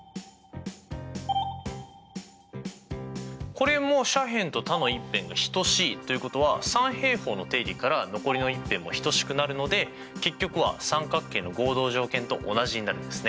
これも斜辺と他の１辺が等しいということは三平方の定理から残りの１辺も等しくなるので結局は三角形の合同条件と同じになるんですね。